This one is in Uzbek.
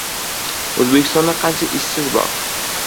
O‘zbekistonda qancha ishsiz bor?